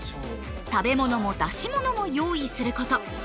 食べ物も出し物も用意すること。